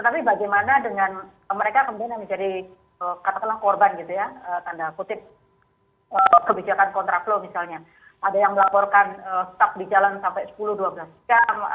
kemudian diatur jadwal one way